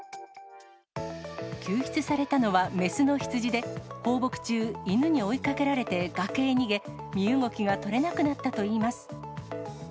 救出されたのは雌の羊で、放牧中、犬に追いかけられて、崖へ逃げ、身動きが取れなくなったといいます。